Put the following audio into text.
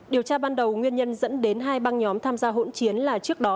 điều tra ban đầu nguyên nhân dẫn đến hai băng nhóm tham gia hỗn chiến là trước đó